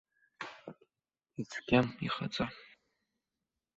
Ицәгьам, ихаҵа.